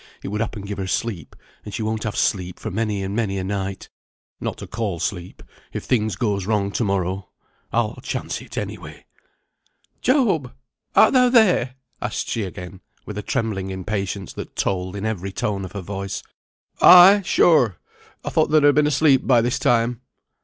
It would happen give her sleep, and she won't have sleep for many and many a night (not to call sleep), if things goes wrong to morrow. I'll chance it, any way." "Job! art thou there?" asked she again with a trembling impatience that told in every tone of her voice. "Ay! sure! I thought thou'd ha' been asleep by this time."